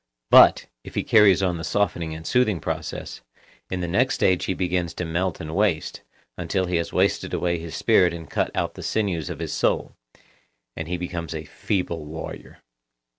But, if he carries on the softening and soothing process, in the next stage he begins to melt and waste, until he has wasted away his spirit and cut out the sinews of his soul; and he becomes a feeble warrior.